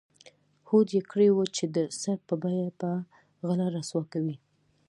هوډ یې کړی و چې د سر په بیه به غله رسوا کوي.